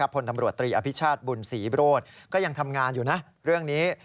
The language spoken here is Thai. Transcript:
ผลธรรมรวชตรีอภิชาศบุญศรีบรวชก็ยังทำงานอยู่นะเรื่องนี้